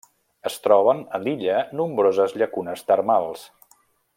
Es troben a l'illa nombroses llacunes termals.